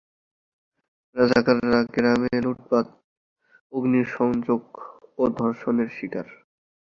রাজাকাররা গ্রামে লুটপাট, অগ্নিসংযোগ ও ধর্ষণের শিকার।